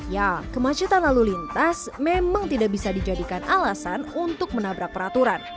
ya kemacetan lalu lintas memang tidak bisa dijadikan alasan untuk menabrak peraturan